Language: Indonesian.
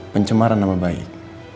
pencemaran nama baik